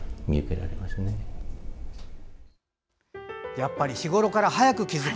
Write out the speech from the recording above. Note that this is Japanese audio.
やっぱり日ごろから早く気付く。